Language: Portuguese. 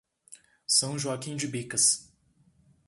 São Joaquim de Bicas